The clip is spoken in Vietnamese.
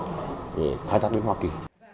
để khai thác đến hoa kỳ